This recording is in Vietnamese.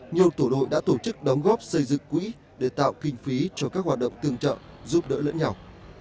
nhiều tổ đội đã tổ chức đóng góp xây dựng quỹ để tạo kinh phí cho các hoạt động tương trợ giúp đỡ lẫn nhau